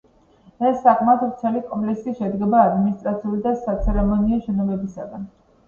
ეს საკმაოდ ვრცელი კომპლექსი შედგება ადმინისტრაციული და საცერემონიო შენობებისგან.